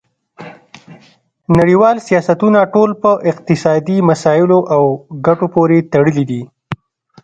نړیوال سیاستونه ټول په اقتصادي مسایلو او ګټو پورې تړلي دي